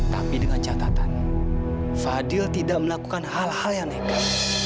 tapi dengan catatan fadil tidak melakukan hal hal yang nekat